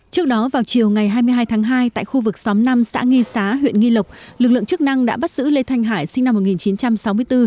trước đó vào chiều ngày hai mươi hai tháng hai tại khu vực xóm năm xã nghi xá huyện nghi lộc lực lượng chức năng đã bắt giữ lê thanh hải sinh năm một nghìn chín trăm sáu mươi bốn